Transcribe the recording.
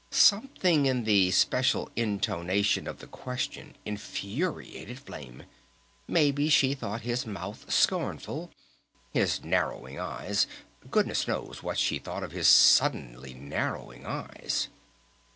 Something in the special intonation of the question infuriated Flame.... Maybe she thought his mouth scornful, his narrowing eyes...? Goodness knows what she thought of his suddenly narrowing eyes!